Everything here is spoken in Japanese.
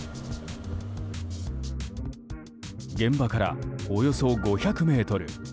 現場からおよそ５００ｍ。